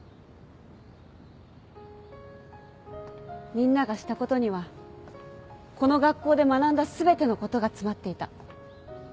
みんながしたことにはこの学校で学んだ全てのことが詰まっていた。